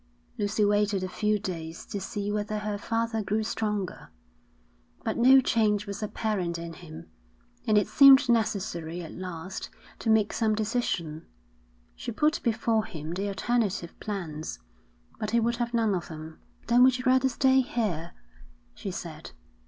Lucy waited a few days to see whether her father grew stronger, but no change was apparent in him, and it seemed necessary at last to make some decision. She put before him the alternative plans, but he would have none of them. 'Then would you rather stay here?' she said.